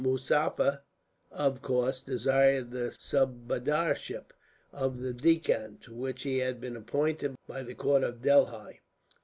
Muzaffar, of course, desired the subadarship of the Deccan, to which he had been appointed by the court of Delhi.